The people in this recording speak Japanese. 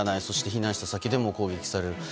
そして避難した先でも攻撃される。